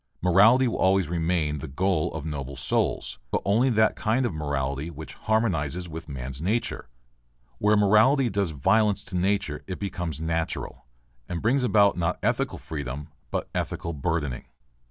Morality will always remain the goal of noble souls, but only that kind of morality which harmonizes with man's nature. Where morality does violence to nature it becomes natural, and brings about not ethical freedom but ethical burdening.